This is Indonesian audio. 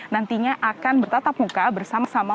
nantinya akan bertatap muka bersama sama